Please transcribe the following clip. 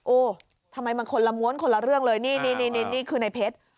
ทำไมมันคนละม้วนคนละเรื่องเลยนี่คือในเพชร